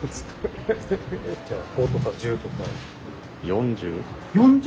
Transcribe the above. ４０！